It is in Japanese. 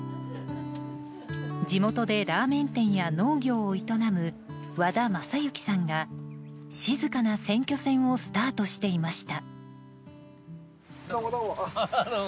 地元でラーメン店や農業を営む和田将之さんが静かな選挙戦をスタートしていました。